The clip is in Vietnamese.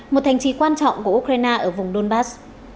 một thành trì quan trọng của ukraine ở vùng donbass